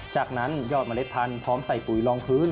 จากนั้นยอดเมล็ดพันธุ์พร้อมใส่ปุ๋ยลองพื้น